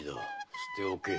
捨ておけ。